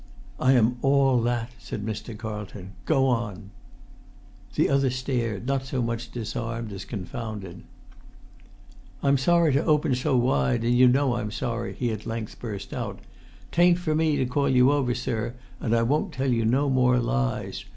"I am all that," said Mr. Carlton. "Go on!" The other stared, not so much disarmed as confounded. [Pg 40]"I'm sorry to open so wide, and you know I'm sorry," he at length burst out. "'Tain't for me to call you over, sir, and I won't tell you no more lies.